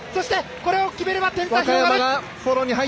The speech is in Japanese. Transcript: これを決めれば点差が広がる。